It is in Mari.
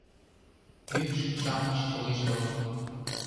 Мӱкш-шамыч чоҥештылыт.